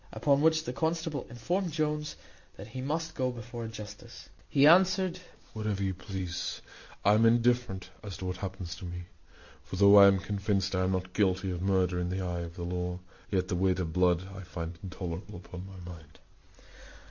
Upon which the constable informed Jones that he must go before a justice. He answered, "Wherever you please; I am indifferent as to what happens to me; for though I am convinced I am not guilty of murder in the eye of the law, yet the weight of blood I find intolerable upon my mind."